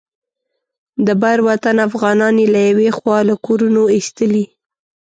د بر وطن افغانان یې له یوې خوا له کورونو ایستلي.